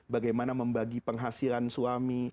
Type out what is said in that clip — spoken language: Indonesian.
bagaimana membagi penghasilan suami